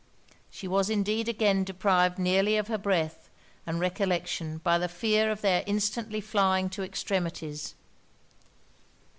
She was indeed again deprived nearly of her breath and recollection by the fear of their instantly flying to extremities.